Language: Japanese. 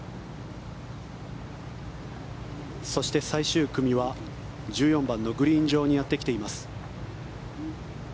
そして、最終組は１４番のグリーン上にやってきています。